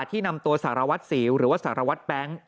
ที่นำตัวสารวัตรสิวหรือว่าสารวัตรแบงค์